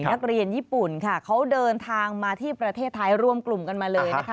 นักเรียนญี่ปุ่นค่ะเขาเดินทางมาที่ประเทศไทยร่วมกลุ่มกันมาเลยนะคะ